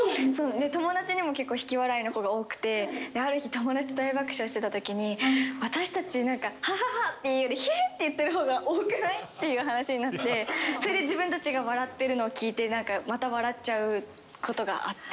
友達にも、結構、引き笑いの子が多くて、ある日、友達と大爆笑してたときに、私たち、なんか、はははっていうより、ひひって言ってるほうが多くない？っていう話になって、それで自分たちが笑ってるのを聞いて、なんかまた笑っちゃうことがあっ